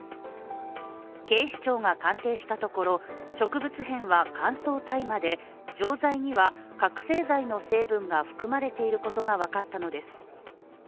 警視庁が鑑定したところ植物片は乾燥大麻で錠剤には覚醒剤の成分が含まれていることが分かったのです。